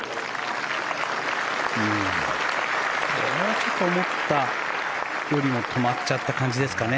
これは思ったよりも止まっちゃった感じですかね。